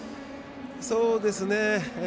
そうですね。